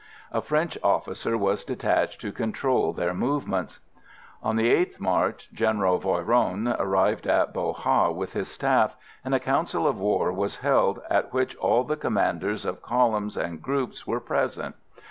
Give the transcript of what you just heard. A French officer was detached to control their movements. On the 8th March General Voyron arrived at Bo Ha with his staff, and a council of war was held at which all the commanders of columns and groups were present.